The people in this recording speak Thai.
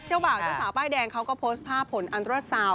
บ่าวเจ้าสาวป้ายแดงเขาก็โพสต์ภาพผลอันตราสาว